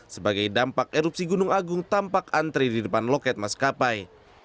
sebagai dampak erupsi gunung agung tampak antri di depan loket maskapai